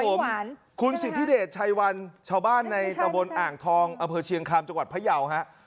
หอยหวานครับผมคุณสิทธิเดชชายวันชาวบ้านในกระบวนอ่างทองอเภอเชียงคามจังหวัดพระเยาฮะ